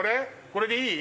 これでいい？